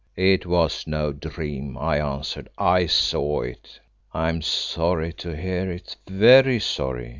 "It was no dream," I answered. "I saw it." "I am sorry to hear it very sorry.